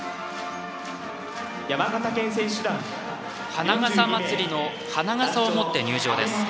花笠まつりの花笠を持って入場です。